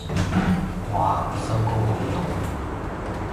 嘩收工好凍